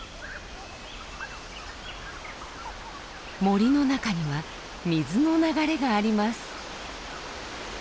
森の中には水の流れがあります。